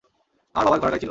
আমার বাবার ঘোড়ার গাড়ি ছিল।